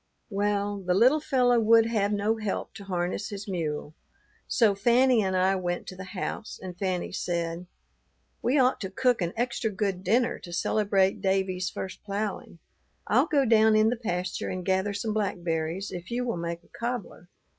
"Well, the little fellow would have no help to harness his mule; so Fanny and I went to the house, and Fanny said, 'We ought to cook an extra good dinner to celebrate Davie's first ploughing. I'll go down in the pasture and gather some blackberries if you will make a cobbler.'